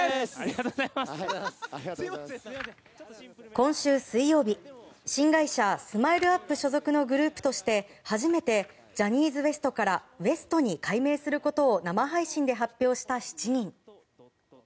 今週水曜日新会社ＳＭＩＬＥ‐ＵＰ．所属のグループとして初めてジャニーズＷＥＳＴからＷＥＳＴ．に改名することを生配信で発表した７人。